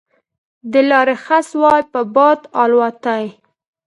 د لارې خس وای په باد الوتای